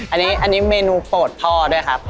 อันนี้เมนูโปรดพ่อด้วยครับ